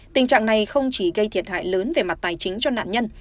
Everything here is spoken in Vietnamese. tình trạng này không chỉ gây thiệt hại lớn về mặt tài chính cho nạn nhân